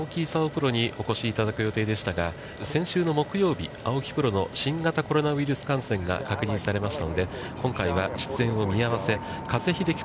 プロにお越しいただく予定でしたが、先週の木曜日、青木プロの新型コロナウイルス感染が確認されましたので、今回は出演を見合わせ、加瀬秀樹